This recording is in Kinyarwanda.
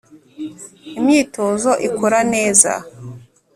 imyitozo ikora neza